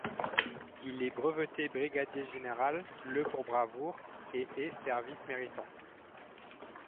Il est breveté brigadier général le pour bravoure et et service méritant.